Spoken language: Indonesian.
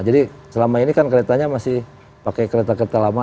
jadi selama ini kan keretanya masih pakai kereta kereta lama